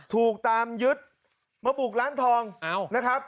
ถูกตามยึดมาบุกร้านทองนะครับ